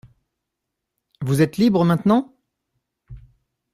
Vous êtes libre maintenant ?